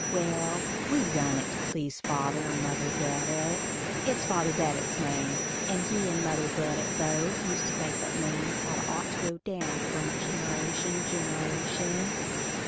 Well, we done it to please father and mother Bedott; it's father Bedott's name, and he and mother Bedott both used to think that names had ought to go down from gineration to gineration.